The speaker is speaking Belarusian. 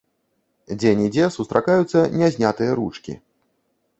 Дзе-нідзе сустракаюцца не знятыя ручкі.